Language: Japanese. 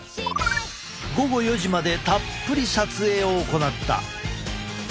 午後４時までたっぷり撮影を行った。